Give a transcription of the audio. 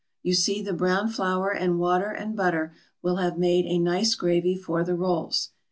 You see the brown flour and water and butter will have make a nice gravy for the rolls.